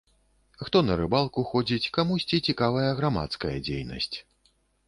Хто на рыбалку ходзіць, камусьці цікавая грамадская дзейнасць.